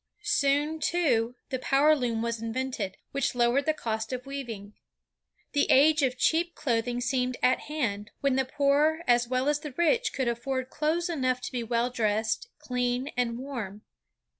Soon, too, the power loom was invented, which lowered the cost of weaving. The age of cheap clothing seemed at hand, when the poor as well as the rich could afford clothes enough to be well dressed, clean, and warm.